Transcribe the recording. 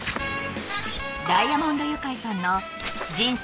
ダイアモンド☆ユカイさんの人生